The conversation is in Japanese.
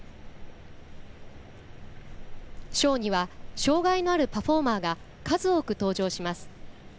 ショーには障がいのあるパフォーマーが数多く登場します。